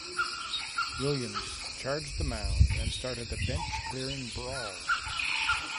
Williams charged the mound and started a bench-clearing brawl.